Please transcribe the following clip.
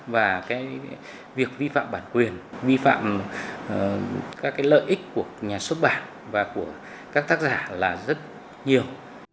và cái việc vi phạm bản quyền vi phạm các lợi ích của nhà xuất bản và của các tác giả là rất nhiều